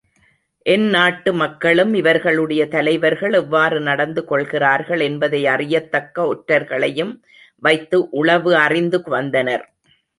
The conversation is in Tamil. எந்நாட்டு மக்களும் இவர்களுடைய தலைவர்கள் எவ்வாறு நடந்து கொள்ளுகிறார்கள் என்பதை அறியத்தக்க ஒற்றர்களையும் வைத்து உளவு அறிந்து வந்தனர்.